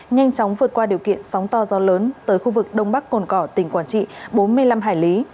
nhanh chóng vượt qua điều kiện sóng to gió lớn tới khu vực đông bắc cồn cỏ tỉnh quảng trị bốn mươi năm hải lý